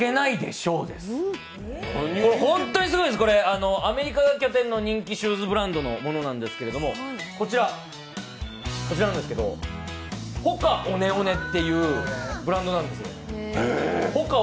もう本当にすごいんです、アメリカが拠点の人気シューズブランドのものなんですけど、こちらなんですけど、ＨＯＫＡＯＮＥＯＮＥというブランドなんです。